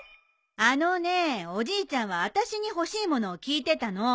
あのねえおじいちゃんはあたしに欲しい物を聞いてたの。